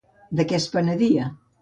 De què es penedia?